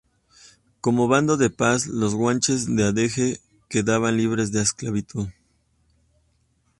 Como bando de paz, los guanches de Adeje quedaban libres de esclavitud.